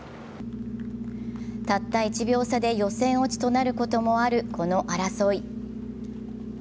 たった１秒差で予選落ちとなることもあるこの争い。